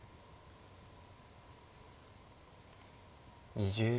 ２０秒。